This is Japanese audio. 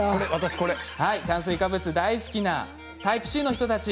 はい炭水化物が大好きなタイプＣの人たち。